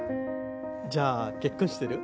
じゃあ結婚してる？